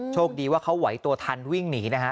โชคดีว่าเขาไหวตัวทันวิ่งหนีนะฮะ